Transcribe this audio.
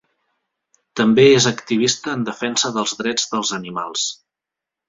També és activista en defensa dels drets dels animals.